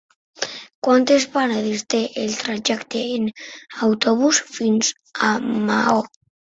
Quantes parades té el trajecte en autobús fins a Maó?